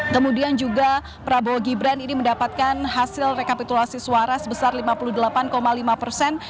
kemudian juga prabowo gibran ini mendapatkan hasil rekapitulasi suara sebesar lima puluh delapan lima persen